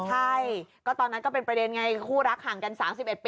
ใช่ก็ตอนนั้นก็เป็นประเด็นไงคู่รักห่างกัน๓๑ปี